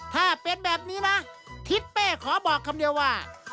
ถ้าเป็นแบบนี้นะทิศเป้ขอบอกคำเดียวว่า